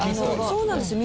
そうなんですよ。